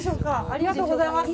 ありがとうございます。